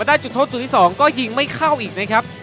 จุดโทษจุดที่๒ก็ยิงไม่เข้าอีกนะครับ